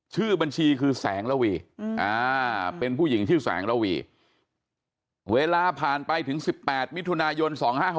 ชื่อบัญชีคือแสงระวีเป็นผู้หญิงชื่อแสงระวีเวลาผ่านไปถึง๑๘มิถุนายน๒๕๖๖